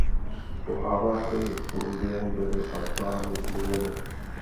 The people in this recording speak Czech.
Po havárii Columbie byly ale plány změněny.